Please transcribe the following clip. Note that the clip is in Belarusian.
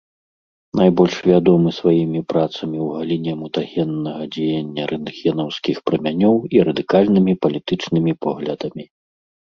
Найбольш вядомы сваімі працамі ў галіне мутагеннага дзеяння рэнтгенаўскіх прамянёў і радыкальнымі палітычнымі поглядамі.